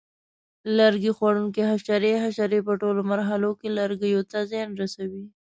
لرګي خوړونکي حشرې: حشرې په ټولو مرحلو کې لرګیو ته زیان رسوي.